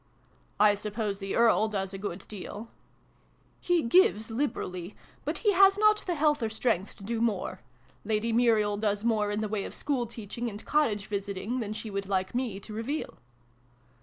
" I suppose the Earl does a good deal ?"" He gives liberally ; but he has not the health or strength to do more. Lady Muriel in] STREAKS OF DAWN. 37 does more in the way of school teaching and cottage visiting than she would like me to reveal."